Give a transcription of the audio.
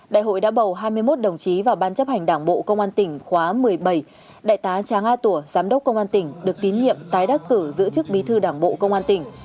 đại hội đã bầu hai mươi một đồng chí vào ban chấp hành đảng bộ công an tỉnh khóa một mươi bảy đại tá tráng a tủa giám đốc công an tỉnh được tín nhiệm tái đắc cử giữ chức bí thư đảng bộ công an tỉnh